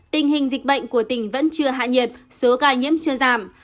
tình hình dịch bệnh của tỉnh vẫn chưa hạ nhiệt số ca nhiễm chưa giảm